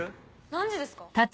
何時ですか？